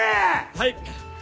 はい！